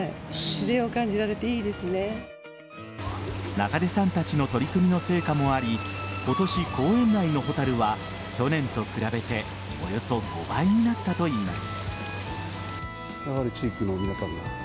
中出さんたちの取り組みの成果もあり今年、公園内のホタルは去年と比べておよそ５倍になったといいます。